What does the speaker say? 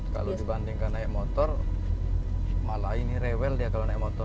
kalau dibandingkan naik motor malah ini rewel dia kalau naik motor